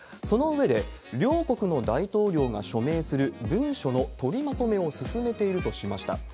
その上で、両国の大統領が署名する文書の取りまとめを進めているとしました。